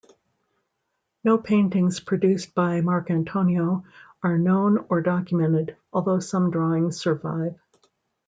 No paintings produced by Marcantonio are known or documented, although some drawings survive.